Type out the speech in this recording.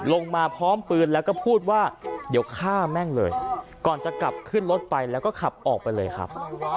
ลงมาพร้อมปืนแล้วก็พูดว่าเดี๋ยวฆ่าแม่งเลยก่อนจะกลับขึ้นรถไปแล้วก็ขับออกไปเลยครับ